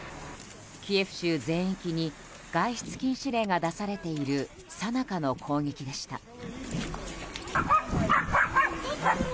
キエフ州全域に外出禁止令が出されているさなかの攻撃でした。